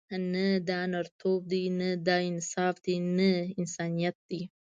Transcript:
نه دا نرتوب دی، نه دا انصاف دی، نه انسانیت دی.